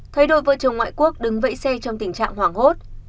thấy đôi vợ chồng ngoại quốc đứng vẫy xe trong tình trạng hoảng hốt